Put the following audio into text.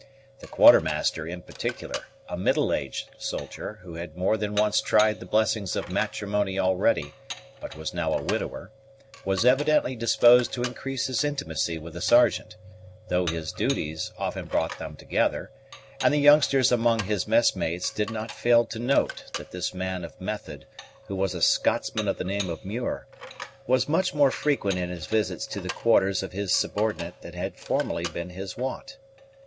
The Quartermaster, in particular, a middle aged soldier, who had more than once tried the blessings of matrimony already, but was now a widower, was evidently disposed to increase his intimacy with the Sergeant, though their duties often brought them together; and the youngsters among his messmates did not fail to note that this man of method, who was a Scotsman of the name of Muir, was much more frequent in his visits to the quarters of his subordinate than had formerly been his wont.